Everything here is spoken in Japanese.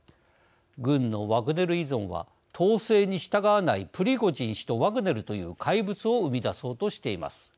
軍のワグネル依存は統制に従わないプリゴジン氏とワグネルという怪物を生み出そうとしています。